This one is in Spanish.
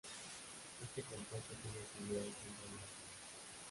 Este compuesto tiene actividad contra la malaria.